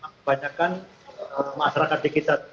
kebanyakan masyarakat di kita